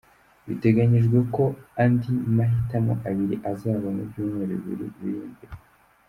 Biteganyijwe ko andi mahitamo abiri azaba mu byumweru bibiri biri imbere.